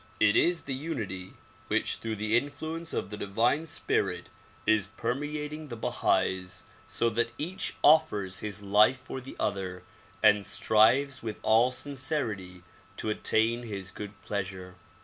It is the unitj' which through the influence of the divine spirit is permeating the Bahais so that each offers his life for the other and strives with all sincerity to attain his good pleasure.